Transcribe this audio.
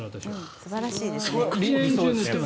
素晴らしいですね。